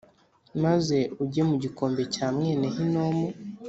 maze ujye mu gikombe cya mwene Hinomu